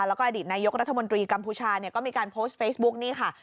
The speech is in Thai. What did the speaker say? แล้วก็อดีตนายกรัฐมนตรีกัมพูชาเนี่ยก็มีการโพสต์เฟซบุ๊กนี่ค่ะ